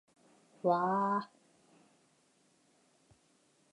わー